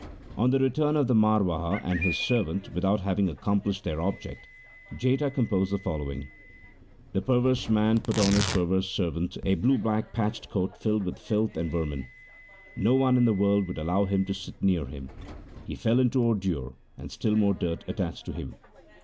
On the return of the Marwaha and his servant without having accomplished their object, Jetha com posed the following :— The perverse man put on his perverse servant a blue black patched coat filled with filth and veimin. 1 No one in the world would allow him to sit near him ; he fell into ordure and still more dirt attached to him.